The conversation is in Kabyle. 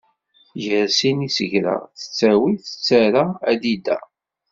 Gar sin n yisegra tettawi tettara adida.